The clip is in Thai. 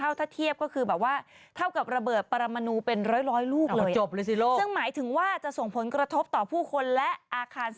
นางคิดแบบว่าไม่ไหวแล้วไปกด